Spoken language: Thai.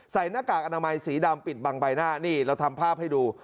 หน้ากากอนามัยสีดำปิดบังใบหน้านี่เราทำภาพให้ดู